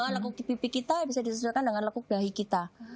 lekuk pipi kita bisa disesuaikan dengan lekuk dahi kita